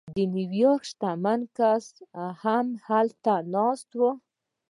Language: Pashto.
د نیویارک شتمن کسان هم هلته ناست وو